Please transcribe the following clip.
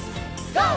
ＧＯ！